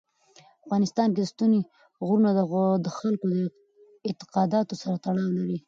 په افغانستان کې ستوني غرونه د خلکو د اعتقاداتو سره تړاو لري.